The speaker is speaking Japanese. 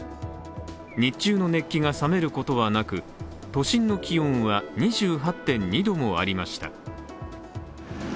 日中の熱気が冷めることはなく都心の気温は２８．２度もありました。